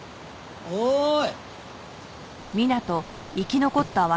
おーい。